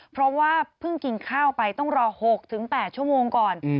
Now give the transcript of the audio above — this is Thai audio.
เพราะว่าเพิ่งกินข้าวไปต้องรอ๖๘ชั่วโมงก่อน